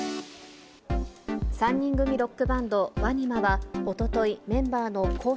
３人組ロックバンド、ＷＡＮＩＭＡはおととい、メンバーのＫＯー